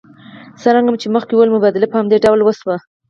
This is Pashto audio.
څرنګه مو چې مخکې وویل مبادله په همدې ډول وشوه